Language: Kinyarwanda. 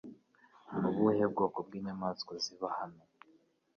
Ni ubuhe bwoko bw'inyamaswa ziba hano?